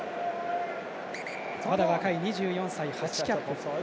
まだ若い２４歳、８キャップ。